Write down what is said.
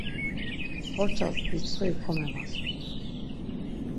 Porças ditsxiri komemasu.